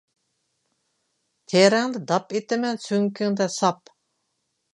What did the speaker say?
تېرەڭدە داپ ئېتىمەن، سۆڭىكىڭدە ساپ.